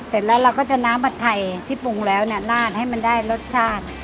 เสร็จแล้วเราก็จะน้ำผัดไทยที่ปรุงแล้วเนี่ยลาดให้มันได้รสชาติ